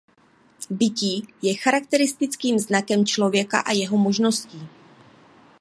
Bytí je charakteristickým znakem člověka a jeho možností.